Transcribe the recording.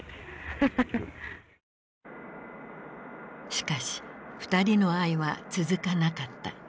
しかし二人の愛は続かなかった。